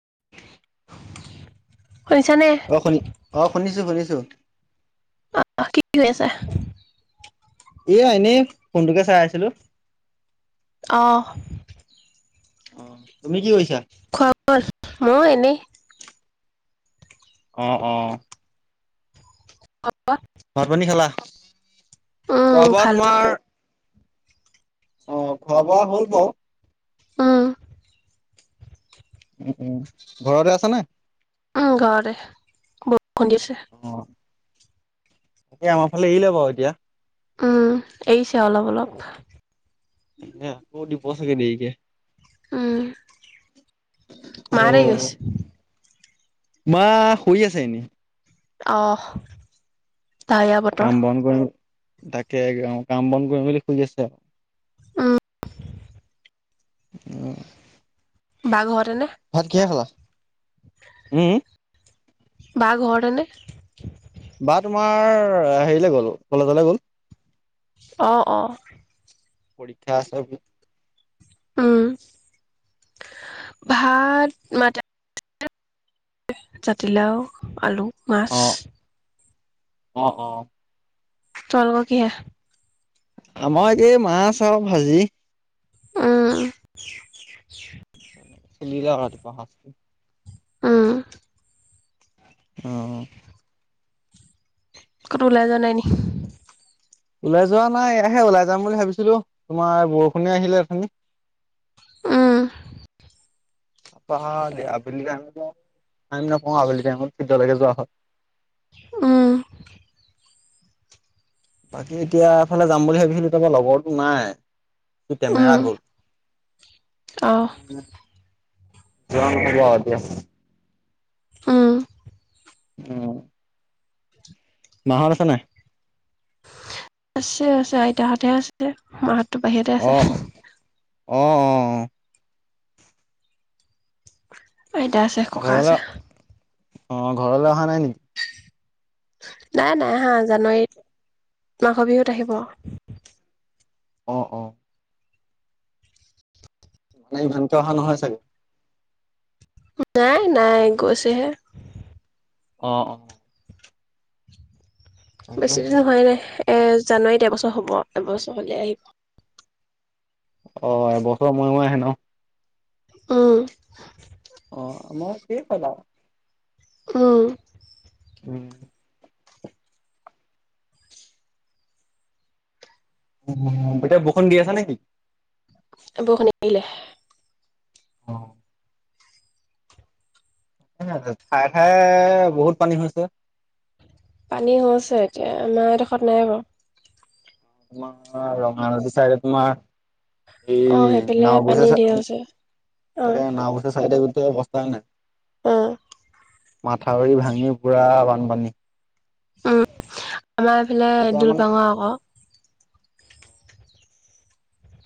[unintelligible] [unintelligible] অ শুনি অ শুনিছো শুনিছো। আহ কি কৈ আছে। এ এনেই ফোনটোকে চাই আছিলো। অহঁ। অ তুমি কি কৰিছা? খোৱা হ'ল, মই এনেই অ, অ। অ। ভাতপানী খালা, উম খোৱা বোৱা খালো তোমাৰ। অ খোৱা বোৱা হ'ল বাও। উম উম উম ঘৰতে আছা নে? উম ঘৰতে বৰষুণ দিছে। এ আমাৰ ফালে এৰিলে বাৰু এতিয়া। উম এৰিছে অলপ অলপ। তাকে আকৌ দিব চাগে দেৰিকে। উম, অ মাহতে কি কৈছে? মা শুই আছে এনেই। অহ। ডাৱৰীয়া বতৰ কাম বন কৰিম তাকে কাম বন কৰিম মেলি শুই আছে আৰু ওম্। অ। বা ঘৰতে নে? উম। বা ঘৰতে নে? বা তোমাৰ হেৰিলৈ গ'ল, কলেজলে গ'ল। অ-অ পৰীক্ষা আছে। উম ভাত মাতা জাতিলাও, আলু, মাছ। অ-অ তোমালোকৰ কি হে? আমাৰ একেই মাছ আৰু ভাজি উম। লীলা ঘৰত ৰাতিপুৱা সাঁচটো উম। অহ কতো ওলাই যোৱা নাই নি? ওলাই যোৱা নাই এয়াহে ওলাই যাম বুলি ভাবিছিলো। তোমাৰ বৰষুণে আহিলে উথনি। উম। পহা দে আবিলি টাইম আমি নপহো আবেলি টাইমত। সিদ্ধ ভাগে যোৱা হয়। উ। বাকী এতিয়া এফালে যাম বুলি ভাবিছিলো, তাৰপৰা লগৰটো নাই। সি উম কেমেৰা গ'ল। অহ। [unintelligible] হব দিয়া। অহ। অ। মাহঁত আছে নাই? আছে, আছে। আইতাহঁতে আছে। মাহঁত অহ, অ-অ-অ। আইতা আছে, ককা ঘৰলৈ আছে। অ ঘৰলৈ অহা নাই নেকি? নাই, নাই আহা। জানুৱাৰীত মাঘৰ বিহুত আহিব। অ, অ। মানে ইভানকে অহা নহয় চাগে। নাই, নাই। গৈছেহে। অ। তাকেহে বেছিদিন হোৱাই নাই। এ জানুৱাৰীত এবছৰ হ'ব, এবছৰ হলে আহিব। অ এবছৰ মূৱে মুৱে আহে ন? অহ। অ আমাৰ কে ফলা অ। ও। এতিয়া বৰষুণ দি আছে নেকি? বৰষুণ এৰিলে। অ। ঠায়ে ঠায়ে বহুত পানী হৈছে। পানী হৈছে এতিয়া। আমাৰ এডোখৰত নাই বাৰু। তোমাৰ ৰঙানদী ছাগে তোমাৰ অ সেইফালে পানী ঢেৰ [unintelligible] হৈছে অ অৱস্থাই নাই। অ। মাথাউৰি ভাঙি পুৰা বানপানী। উম, আমাৰ এইফালে এতিয়া মানে দলপাঙৰ আকৌ।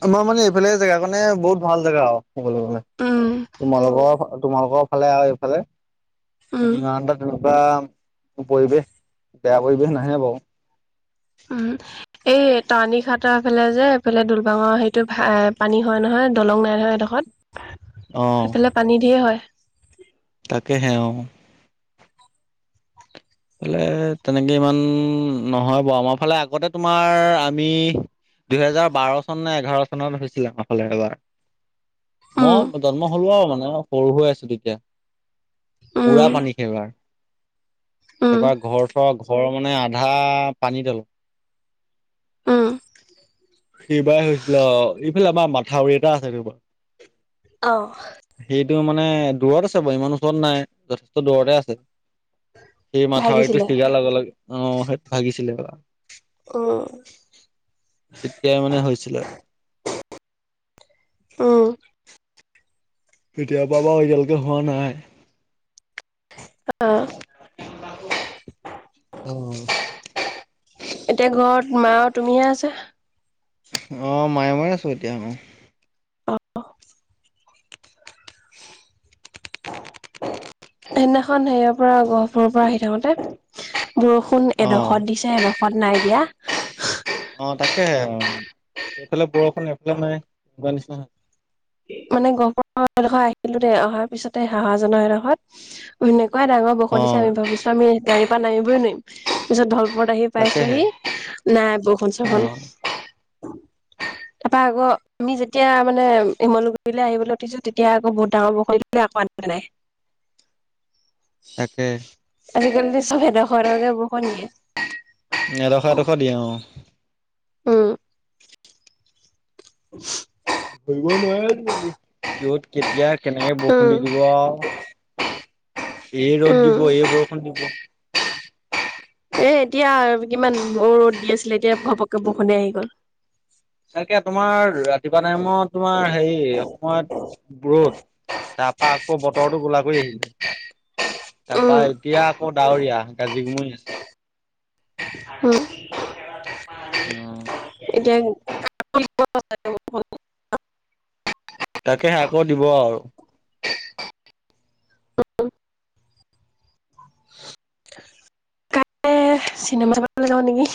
আমাৰ মানে এইফালে জেগাকণে বহুত ভাল জেগা আও কবলে গলে। উম তোমালোকৰ তোমালোকৰ ফালে আৰু এইফালে উম [unintelligible] বা পৰিৱেশ বেয়া পৰিৱেশ নাহে বাওঁ। উম এই তৰানি খাটৰ ফালে যে এইফালে দুলবাঙৰ হেইটো পানী হয় নহয়। দলং নাই নয় এডোখৰত। সেইফালে পানী ধেই হয়। তাকে হেৱ এফালে তেনেকে ইমান নহয় বাৰু। আমাৰ ফালে আগতে তোমাৰ আমি দুহেজাৰ বাৰ চন নে এঘাৰ চনত হৈছিলে আমাৰ ফালে এবাৰ। উম, মই জন্ম হলো আৰু মানে সৰু হৈ আছো তেতিয়া। উম, পুৰা পানী সেইবাৰ। উম, এইবাৰ ঘৰ-চৰ ঘৰৰ মানে আধা পানী উম। তলত। সেইবাই হৈছিল আও। ইফালে আমাৰ মাথাউৰি এটা আছে এইডোখৰত। অ। এইটো মানে দূৰত আছে বাৰু ইমান ওচৰত নাই যথেষ্ট দূৰতে আছে। সেই মাথাউৰিটো ভাগিছিলে। ছিগা লগে লগে অহ সেইটো ভাগিছিলে কা উম, তেতিয়াই মানে হৈছিলে। অ কেতিয়াবাবা এতিয়ালৈকে হোৱা নাই আহ। অ এতিয়া ঘৰত মা আৰু তুমিহে আছা অঁ মায়ে ময়ে আছো এতিয়া অ অ অহ সেইদিনাখন হেৰিয়ৰ পৰা গহপুৰৰ পৰা আহি থাকোতে বৰষুণ অ', এডোখৰত দিছে এড- খত নাই দিয়া অ তাকেহে এইফালে বৰষুণ এইফালে নাই কোৱানিচিনা মানে গহপুৰৰ এডোখৰ আহিলো দে অহাৰ পিছতে হাহাজানৰ এডখত উইনে কোৱা ডাঙৰ বৰষুণ দিছে অ', আমি ভাবিছো আমি গাড়ী পৰা নামিবই নোৱাৰিম। পিছত ভৱ- ঘৰত আহি তাকেহে পাইছোহি নাই বৰষুন চখন অ', তাপা আকৌ আমি যেতিয়া মানে ইমলু- গুৰিলে আহিবলৈ উঠিছো তেতিয়া আকৌ বহুত ডাঙৰ বৰষুণ দিলে আকৌ ইয়াত নাই। তাকে আজিকালি চব এদখৰ এদখৰ কে বৰষুণ দিয়ে। এডশ এডশ দিয়ে অ উম ধৰিব নোৱাৰে আজি কালি কিহত কেতিয়া কেনেকে বৰষুণ উম, দি দিব আও এই ৰ'দ উম, দিব এই বৰষুণ দিব এ এতিয়া কিমান ৰ'দ দি আছিলে এতিয়া ঘপককে বৰষুণে আহি গ'ল। এনেকে তোমাৰ ৰাতিপুৱা টাইমত তোমাৰ হেৰি সময়ত ৰ'দ। তাৰ পৰা আকৌ বতৰতো কোলা কৰি আহিছে তাৰ পৰা উম, এতিয়া আকৌ ডাৱৰীয়া গাজি গুমৰি আছে উম, অ এতিয়া [unintelligible] তাকে আকৌ দিব আৰু অ কাইলে চিনেমা চাব লে জাওঁ নেকি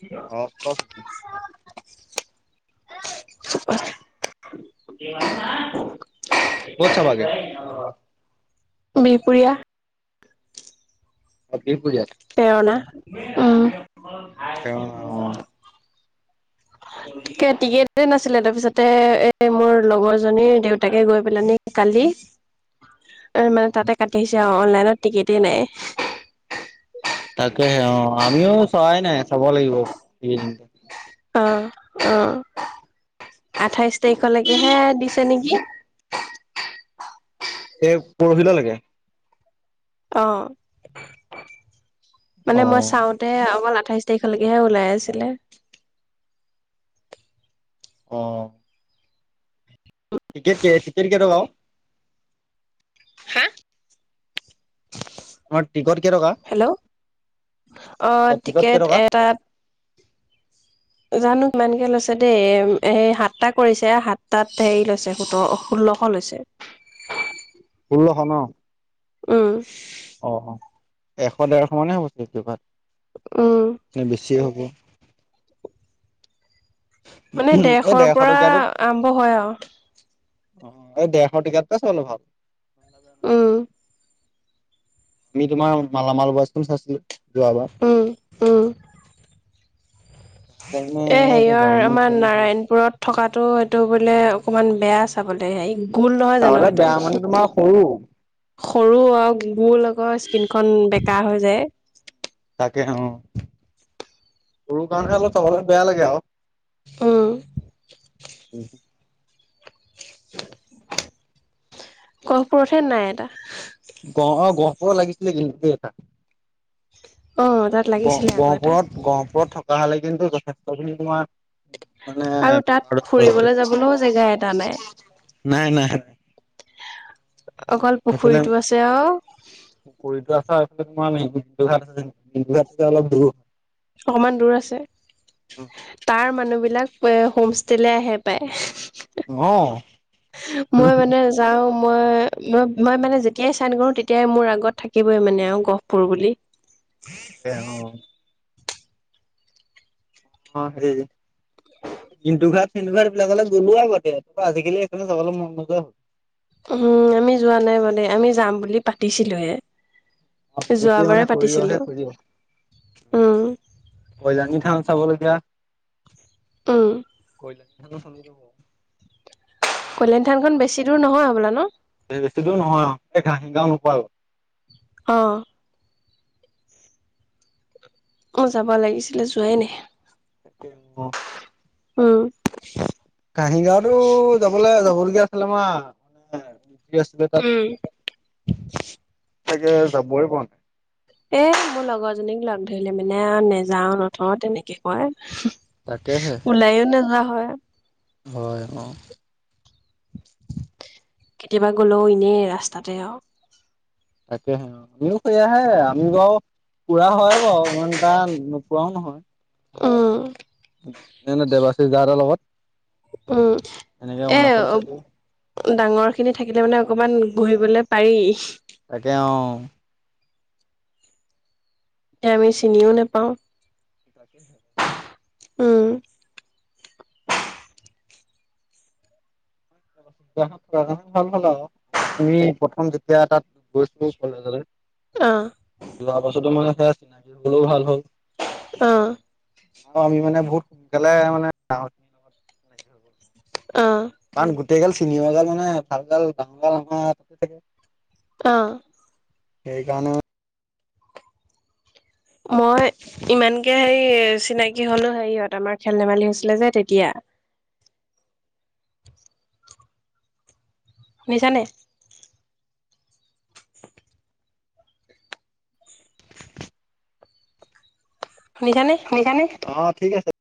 [unintelligible] চাবাগে [unintelligible] বিহপুৰীয়া সতী পূজা পেৰনা অ', অ উম টিকে টিকেটে নাছিলে তাৰপিছতে এ মোৰ মোৰ লগৰজনীৰ দেউতাকে গৈ পেলা আনি কালি মানে তাতে কাটি আহিছে আৰু অনলাইনত টিকেটে নাই। তাকেহে অ আমিও চোৱাই নাই চাব লাগিব। অ অ আঠাইশ তাৰিখলৈকেহে দিছে নেকি। এই পৰহিল লৈকে অ মানে অ মই চাওঁতে অকল আ- আঠাইশ তাৰিখলৈকেহে ওলাই আছিলে। অ টিকেট কে টিকেট কেটকা আওঁ হা? তোমাৰ টিকট কেই টকা হেল্ল' অ টিকট টিকেট কেই টকা এটাত জানো কিমানকে লৈছে দেই এই সাতটা কৰিছে সাতটাত হেৰি লৈছে সোতৰ ষোল্লশ লৈছে। চ শোল্লষ ন উম। অ অ এশ ডেৰশ মানে উম হ'বতিভাত নে বেছিয়ে হ'ব। মানে এই দৰেশৰ ডেৰশ পৰা টকীয়াটোত আৰম্ভ হয় আৰু। এই ডেৰশ টিকেতটোতে চাবলৈ ভাল উম আমি তোমাৰ মালামাল বয়স্খন চাইছিলো যোৱাবাৰ। [inaudible] এহ, সেইকাৰণে হেৰিয় যাওঁ নে আমাৰ কি ভাবিছো। নাৰায়ণপুৰত থকাতটো এইটো বোলে। অকমান বেয়া চাবলে হে গোল নহয় জানো চাবলে বেয়া মানে তোমাৰ সেইটো সৰু সৰু আৰু গুৰ লগৰ স্কিনখন বেকাৰ হৈ যে। তাকে অ সৰু গান খে অল চবলৈ বেয়া লাগে আৰু উম। উ গহপুৰতহে নাই এটা। ক' লাগিছিলে কিন্তু এটা। অ তাত গ লাগিছিলে আকৌ এটা গহপুৰত-গহপুৰত থকা হলে কিন্তু যথেষ্টখিনি তোমাৰ মানে আৰু তাত বেপাৰ ভাল ফুৰিবলৈ যাবলৈও জেগা এটা নাই নাই - নাই। অকল সেইফালে পুখুৰীটো আছে আৰু কৰি থোৱা হয় কোমাল অলপ ধৰি অকমান দূৰ আছে তাৰ মানুহবিধ বিলাক হোম ষ্টেলে আহে পায় অ', মই মানে যাও। মই - মই মানে যেতিয়াই চাইন কৰো তেতিয়াই মোৰ আগত থাকিবই মানে আৰু গহপুৰ বুলি। দে অহ', অহ', সেইটো কিন্তু ঘাট। ইনুভাৰ ব্লগলে গলোৱা আগতে আজিকালি সেইণে চব মন নজোৱা হ'ল। [unintelligible] উম আমি যোৱা নাই মানে আমি যাম বুলি পাতিছিলোহে অ গোটেই মানে যোৱাবাৰে পাতিছিলো সৰিয়হে উম সৰিয়হ অজানি থা চাবলগীয়া উম কলা চল যাব [unintelligible] কল্যাণ থানখন বেছি দূৰ নহয় হ'বলা ন। বেছি দূৰ নহয় এক ঘাহি গাও নোপোৱা আৰু। অহ', অহ ', যাব লাগিছিলে যোৱাই নাই। তাকেই অহ ', উম, কাহিগাওতো যাবলৈ যাবলগীয়া আছিলে আমাৰ মানে। কি আছিলে উম তাত তাকে যাবই পৰা নাই। এই, মোৰ লগৰজনীক লগ ধৰিলে মানে নেযাও নথও তেনেকে কয়। তাকেহে ওলাইও নাযাও হয় হয়, অহ', কেতিয়াবা গ'লেও এনেই ৰাস্তাতে আৰু। তাকে হে আমিও সৈ আহে, আমি বাও পুৰা হয় বাৰু ইমান এটা নোপোৱাও নহয়। উম, এ দেৱাশীস দা হতৰ লগত। উম, এনেকে এ অৰুণাচল চাইডে ডাঙৰ খিনি থাকিলে মানে অকমান বহিবলৈ পাৰি। তাকে অহ', এ আমি চিনিও নেপাওঁ। [inaudible] উম। [unintelligible] আমি প্ৰথম যেতিয়া তাত গৈছো কলেজলে আ। যোৱা বছৰটো মানে সেয়া চিনাকি হলেও ভাল হল। অ অহ আমি মানে বহুত সোনকালে মানে [unintelligible] অ কাৰণ গোটেই গাল চিনিৱৰ গাল মানে ভাল গাল ডাঙৰ গাল আমাৰ [unintelligible] অ'। সেই কাৰণে মই ইমানকে হেৰি চিনাকি হলো হেৰিয়ত আমাৰ খেল ধেমালি হৈছিলে যে তেতিয়া। [inaudible] শুনিছানে? [inaudible] শুনিছানে? অ' ঠিক আছে।